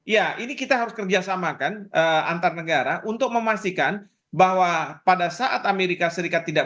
ya ini kita harus kerjasamakan antar negara untuk memastikan bahwa pada saat amerika serikat tidak